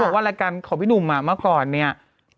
มันบอกว่ารายการของพี่ดุ่มมาก่อนเนี่ย